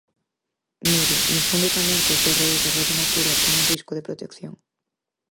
Mire, infunde tamén que os terreos de Rede Natura están en risco de protección.